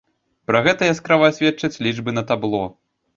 Пра гэта яскрава сведчаць лічбы на табло.